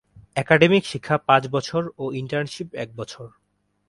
Academic শিক্ষা পাঁচ বছর ও ইন্টার্নশিপ এক বছর।